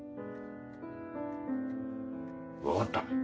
わかった。